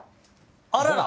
あらら！